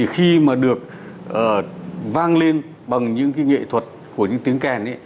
khi được vang lên bằng những nghệ thuật của những tiếng kèn